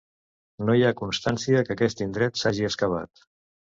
No hi ha constància que aquest indret s'hagi excavat.